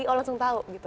mungkin langsung tahu gitu